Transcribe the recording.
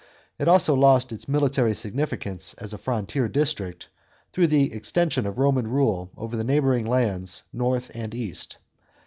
It also lost its military significance as a frontier district, through the extension of Roman rule over the neighbouring lands north tmd east.